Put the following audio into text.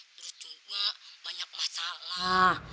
terus juga banyak masalah